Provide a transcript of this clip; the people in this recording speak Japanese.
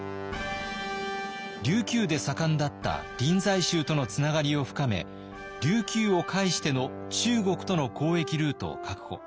琉球で盛んだった臨済宗とのつながりを深め琉球を介しての中国との交易ルートを確保。